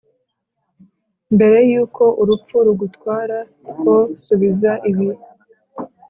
mbere yuko urupfu rugutwara, o subiza ibi.